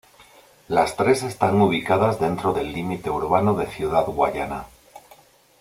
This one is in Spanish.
Las tres están ubicadas dentro del límite urbano de Ciudad Guayana.